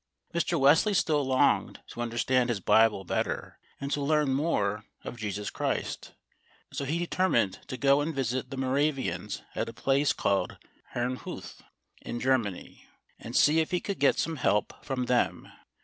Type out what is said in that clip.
Mr. Wesley still longed to understand his Bible better, and to learn more of Jesus Christ, so he determined to go and visit the Moravians at a place called Herrnhuth in Germany, and see if he could get some help from them.